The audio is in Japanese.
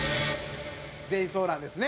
全員そうなんですね？